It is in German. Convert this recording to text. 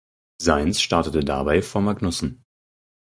Sainz startete dabei vor Magnussen.